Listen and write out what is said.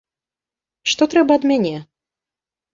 Што трэба ад мяне?